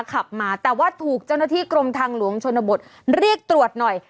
ขับมาแต่ว่าถูกเจ้าหน้าที่กรมทางหลวงชนบทเรียกตรวจหน่อย